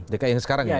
dki yang sekarang ya